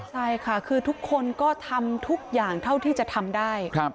ใช่ค่ะคือทุกคนก็ทำทุกอย่างเท่าที่จะทำได้